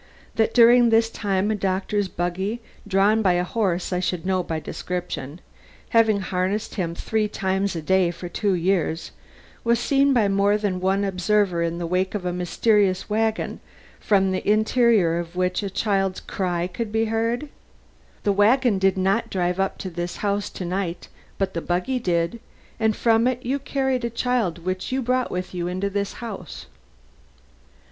That during this time a doctor's buggy, drawn by a horse I should know by description, having harnessed him three times a day for two years, was seen by more than one observer in the wake of a mysterious wagon from the interior of which a child's crying could be heard? The wagon did not drive up to this house to night, but the buggy did, and from it you carried a child which you brought with you into this house."